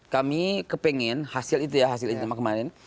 kami kepengen hasil itu ya hasil istinama kemarin